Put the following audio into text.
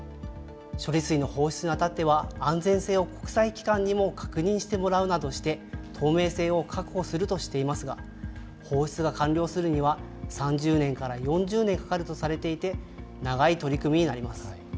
処理水の放出にあたっては、安全性を国際機関にも確認してもらうなどして、透明性を確保するとしていますが、放出が完了するには３０年から４０年かかるとされていて、長い取り組みになります。